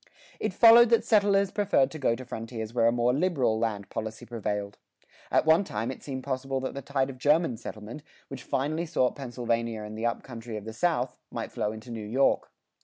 It followed that settlers preferred to go to frontiers where a more liberal land policy prevailed. At one time it seemed possible that the tide of German settlement, which finally sought Pennsylvania and the up country of the South, might flow into New York.